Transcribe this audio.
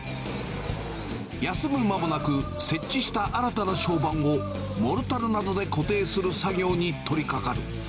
休む間もなく、設置した新たな床版をモルタルなどで固定する作業に取りかかる。